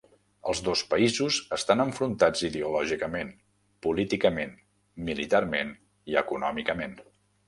Els dos països estan enfrontats ideològicament, políticament, militarment i econòmicament.